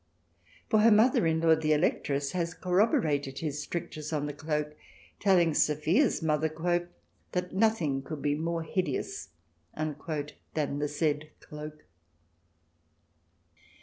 For her mother in law, the Electress, has corroborated his strictures on the cloak, telling Sophia's mother " that nothing could be more hideous " than the said cloak.